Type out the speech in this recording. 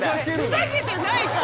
ふざけてないから！